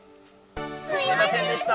すいませんでした！